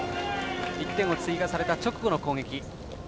１点を追加された直後の攻撃